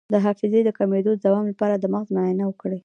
د حافظې د کمیدو د دوام لپاره د مغز معاینه وکړئ